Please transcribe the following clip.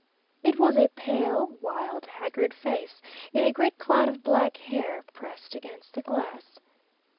It was a pale, wild, haggard face, in a great cloud of black hair, pressed against the glass.